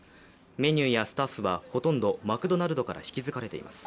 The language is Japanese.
メニューやスタッフはほとんどマクドナルドから引き継がれています。